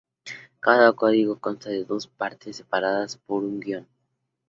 Cada código consta de dos partes, separadas por un guion.